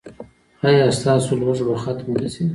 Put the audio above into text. ایا ستاسو لوږه به ختمه نه شي؟